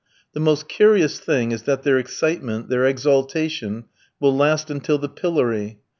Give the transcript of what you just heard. The most curious thing is that their excitement, their exaltation, will last until the pillory.